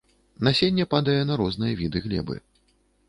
Насенне падае на розныя віды глебы.